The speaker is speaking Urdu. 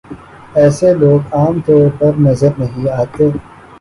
ایسے لوگ عام طور پر نظر نہیں آتے ۔